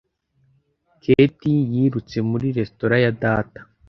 Kate yirutse muri resitora ya data